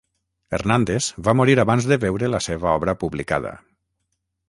Hernández va morir abans de veure la seva obra publicada.